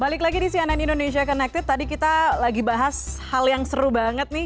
balik lagi di cnn indonesia connected tadi kita lagi bahas hal yang seru banget nih